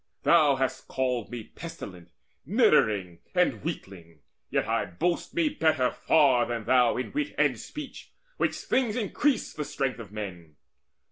Thou hast called me pestilent, niddering, And weakling: yet I boast me better far Than thou in wit and speech, which things increase The strength of men.